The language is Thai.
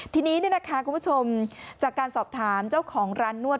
ทีนี้คุณผู้ชมจากการสอบถามเจ้าของร้านนวด